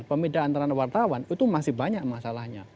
pemidanaan wartawan itu masih banyak masalahnya